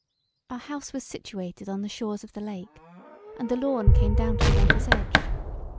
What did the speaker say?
Our house was situated on the shores of the lake and the lawn came down to the water's edge.